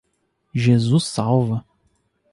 Jesus salva!